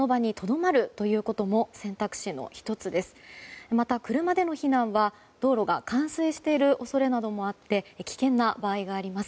また、車での避難は道路が冠水している恐れなどもあって危険な場合があります。